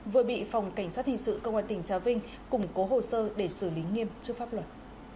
vừa bị phòng cảnh sát hình sự công an tỉnh trà vinh củng cố hồ sơ để xử lý nghiêm trước pháp luật